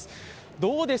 どうです？